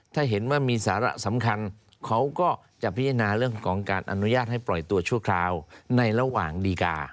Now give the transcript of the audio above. ถ้าเห็นว่ามีสาระสำคัญเขาก็จะพิจารณาเรื่องของการอนุญาตให้ปล่อยตัวชั่วคราวในระหว่างดีกา